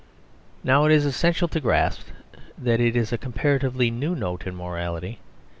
Now it is essential to grasp that this is a comparatively new note in morality.